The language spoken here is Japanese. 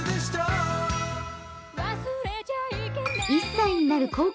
１歳になるこう